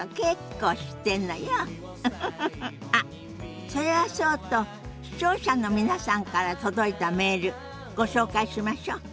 あっそれはそうと視聴者の皆さんから届いたメールご紹介しましょ。